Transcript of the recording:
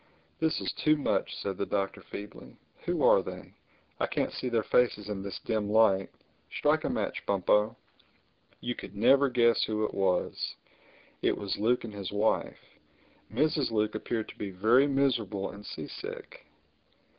"This is too much," said the Doctor feebly. "Who are they? I can't see their faces in this dim light. Strike a match, Bumpo." You could never guess who it was. It was Luke and his wife. Mrs. Luke appeared to be very miserable and seasick.